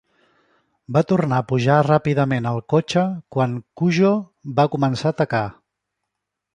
Va tornar a pujar ràpidament al cotxe quan Cujo va començar a atacar.